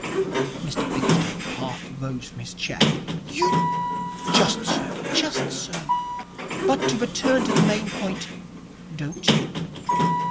Mr Bickersdyke half rose from his chair. 'You ' 'Just so, just so, but to return to the main point don't you?